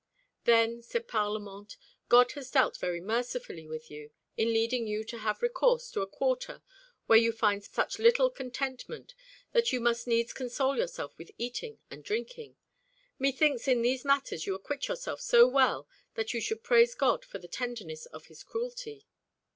"Then," said Parlamente, "God has dealt very mercifully with you in leading you to have recourse to a quarter where you find such little contentment that you must needs console yourself with eating and drinking. Methinks in these matters you acquit yourself so well, that you should praise God for the tenderness of His cruelty."